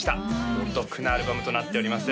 お得なアルバムとなっております